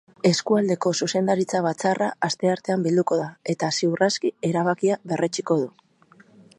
Eskualdeko zuzendaritza batzarra asteartean bilduko da, eta ziur aski erabakia berretsiko du.